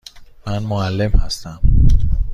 من معلم هستم.